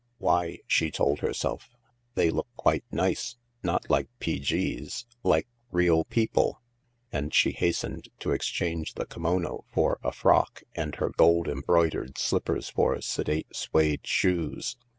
" Why," she told herself, "they look quite nice — not like P.G.'s— like real people I " And she hastened to exchange the kimono for a frock and her gold embroidered slippers for sedate su&Ie shoes.